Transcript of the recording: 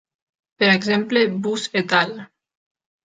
Per exemple, Buss "et al.